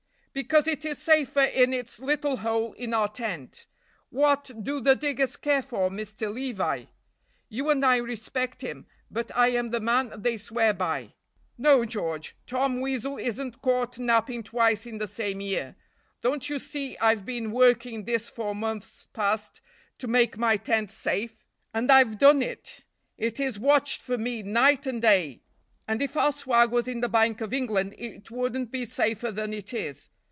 "Because it is safer in its little hole in our tent. What do the diggers care for Mr. Levi? You and I respect him, but I am the man they swear by. No, George, Tom Weasel isn't caught napping twice in the same year. Don't you see I've been working this four months past to make my tent safe? and I've done it. It is watched for me night and day, and if our swag was in the Bank of England it wouldn't be safer than it is.